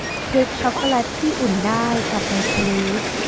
เค้กชอคโกแล็ตที่อุ่นได้กับไมโครเวฟ